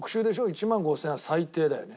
１万５０００円は最低だよね。